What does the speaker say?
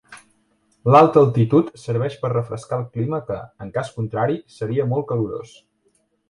L'alta altitud serveix per refrescar el clima que, en cas contrari, seria molt calorós.